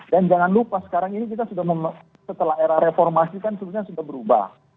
dan jangan lupa sekarang ini kita sudah setelah era reformasi kan sebetulnya sudah berubah